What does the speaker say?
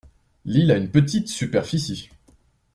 L’île a une petite superficie.